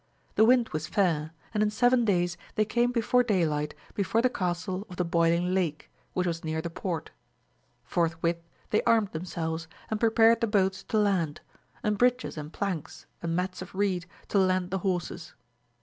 The wind was fair, and in seven days they came before day light before the castle of the Boiling Lake, which was near the Port. Forthwith they armed themselves, and prepared the boats to land, and bridges and planks and mats of reed to land the horses.